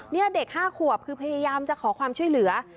นี่เด็ก๕ขวบคือพยายามจะขอความช่วยเหลือ